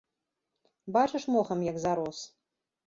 Бачыш, мохам як зарос.